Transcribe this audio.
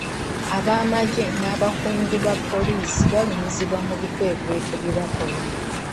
Abamagye n'abakungu ba poliisi balumizibwa mu bikwekweto bye bakola.